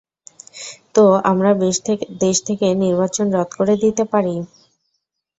তো আমরা দেশ থেকে নির্বাচন রদ করে দিতে পারি?